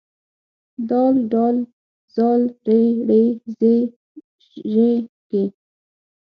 د ډ ذ ر ړ ز ژ ږ